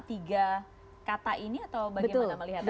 tiga kata ini atau bagaimana melihatnya